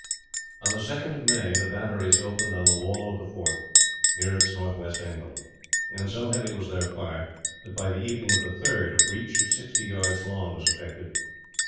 On the 2nd of May, the batteries opened on the wall of the fort, near its northwest angle; and so heavy was their fire that, by the evening of the 3rd, a breach of sixty yards long was effected.